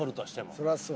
そりゃそうや。